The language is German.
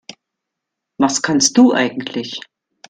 Was kannst du eigentlich?